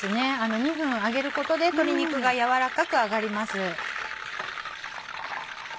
２分揚げることで鶏肉が軟らかく揚がります。